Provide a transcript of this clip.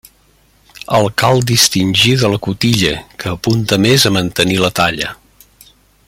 El cal distingir de la cotilla, que apunta més a mantenir la talla.